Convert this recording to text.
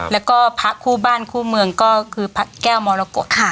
แล้วก็ผู้บ้านที่ก็พระแก้วมรกฎ